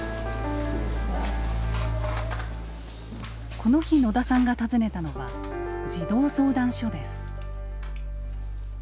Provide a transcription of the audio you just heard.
この日野田さんが訪ねたのは児童相談所です。